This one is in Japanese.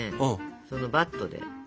そのバットで。